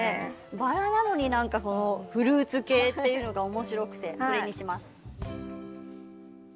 バラなのになんかフルーツ系っていうのがおもしろくて、これにします。